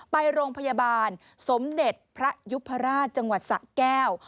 ไปโรงพยาบาลสมเด็จพระยุพราชจังหวัดสะแก้ว